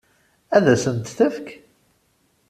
Ad sen-tent-tefk?